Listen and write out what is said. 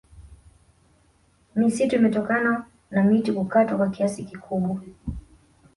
Hupatikana huko pia tofauti hii ya juu upande wa spishi